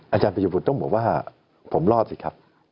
อาจารย์ประยุบุตรต้องบอกว่าผมรอดสิครับ